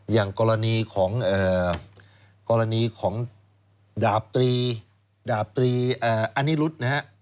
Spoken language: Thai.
อย่างกรณีของดาบตรีอานิรุฑ